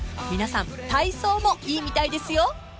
皆さん体操もいいみたいですよ］